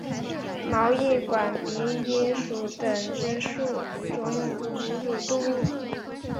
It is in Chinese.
毛翼管鼻蝠属等之数种哺乳动物。